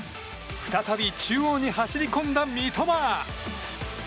再び中央に走り込んだ三笘。